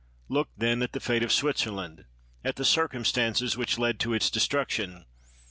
Look, then, at the fate of Switzerland, at the circumstances which led to its destruction.